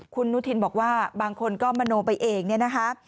คุณนุทินบอกว่าบางคนก็มโนไปเองเนี่ยนะคะ